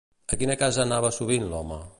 A quina casa anava sovint l'home?